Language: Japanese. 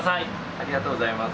ありがとうございます。